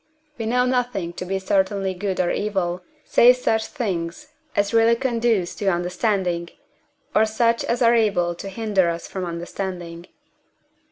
We know nothing to be certainly good or evil, save such things as really conduce to understanding, or such as are able to hinder us from understanding.